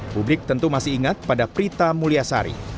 publik tentu masih ingat pada prita mulyasari